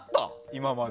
今まで。